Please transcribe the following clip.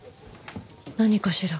何かしら？